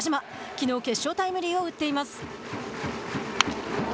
きのう決勝タイムリーを打っています。